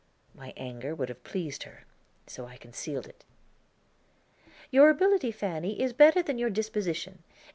My anger would have pleased her, so I concealed it. "Your ability, Fanny, is better than your disposition.